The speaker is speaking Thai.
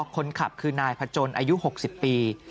คนขับคือนายพจนอายุ๖๐ปี